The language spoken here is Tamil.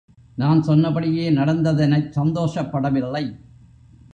நான் சொன்னபடியே நடந்ததெனச் சந்தோஷப்பட வில்லை.